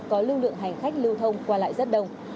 có lưu lượng hành khách lưu thông qua lại rất đông